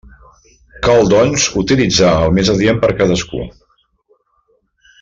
Cal doncs, utilitzar el més adient per cadascú.